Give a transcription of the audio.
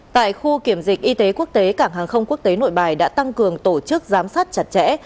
tại khu kiểm dịch y tế quốc tế cảng hàng không quốc tế nội bài đã tăng cường tổ chức giám sát chặt chẽ